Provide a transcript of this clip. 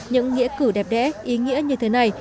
những nghĩa cử đẹp đẽ ý nghĩa như thế này